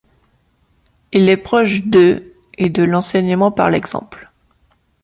Il est proche de et de l’enseignement par l’exemple.